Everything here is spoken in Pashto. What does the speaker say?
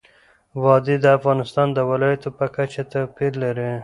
وادي د افغانستان د ولایاتو په کچه توپیر لري.